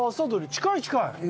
近い近い。